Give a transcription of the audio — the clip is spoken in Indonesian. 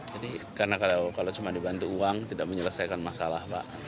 jadi karena kalau cuma dibantu uang tidak menyelesaikan masalah pak